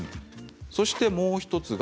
そして、もう１つが